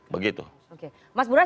begitu oke mas buran